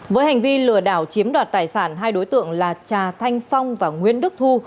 với hành vi lừa đảo chiếm đoạt tài sản hai đối tượng là trà thanh phong và nguyễn đức thu